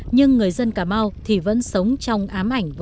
nhưng người dân cà mau thì vẫn sống trong ám ảnh